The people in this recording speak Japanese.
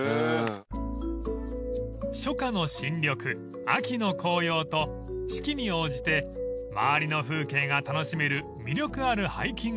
［初夏の新緑秋の紅葉と四季に応じて周りの風景が楽しめる魅力あるハイキングコース］